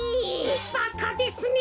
バカですね。